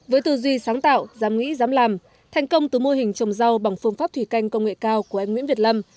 với tư duy sáng tạo dám nghĩ dám làm thành công từ mô hình trồng rau bằng phương pháp thủy canh công nghệ cao của anh nguyễn việt lâm